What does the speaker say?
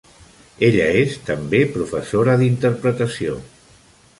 Ella és també professora d'interpretació.